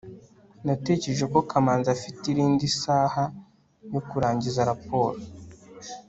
natekereje ko kamanzi afite irindi saha yo kurangiza raporo